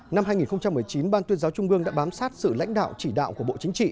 năm hai nghìn một mươi chín ban tuyên giáo trung ương đã bám sát sự lãnh đạo chỉ đạo của bộ chính trị